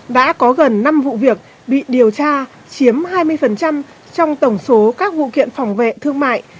đã có gần năm vụ việc bị điều tra chiếm hai mươi trong tổng số các vụ kiện phòng vệ thương mại